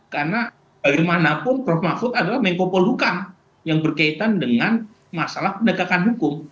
karena bagaimanapun prof mahfud adalah mengkopolukan yang berkaitan dengan masalah penegakan hukum